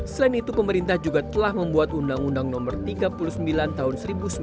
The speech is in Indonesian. selain itu pemerintah juga telah membuat undang undang no tiga puluh sembilan tahun seribu sembilan ratus sembilan puluh